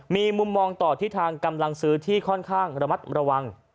มีมุมมองต่อที่ทางกำลังซื้อที่ค่อนข้างระมัดระวัง